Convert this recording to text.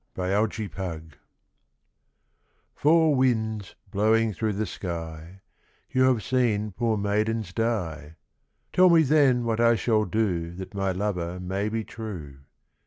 Four Winds "Four winds blowing through the sky, You have seen poor maidens die, Tell me then what I shall do That my lover may be true."